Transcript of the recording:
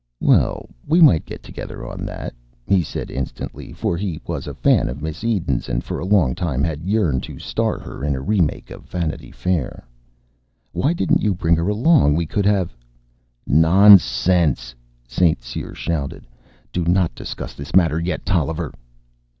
"Well, we might get together on that," he said instantly, for he was a fan of Miss Eden's and for a long time had yearned to star her in a remake of Vanity Fair. "Why didn't you bring her along? We could have " "Nonsense!" St. Cyr shouted. "Do not discuss this matter yet, Tolliver."